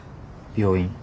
病院。